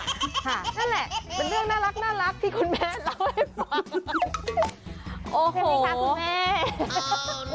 นั่นแหละเป็นเรื่องน่ารักที่คุณแม่เล่าให้ฟัง